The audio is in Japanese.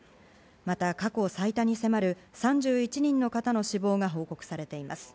また、過去最多に迫る３１人の方の死亡が報告されています。